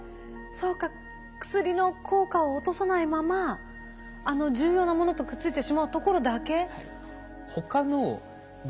そうか薬の効果を落とさないままあの重要なものとくっついてしまうところだけ。